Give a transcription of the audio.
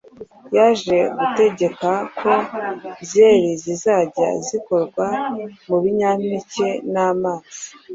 Yaje gutegeka ko byeri zizajya zikorwa mu binyampeke n’amazi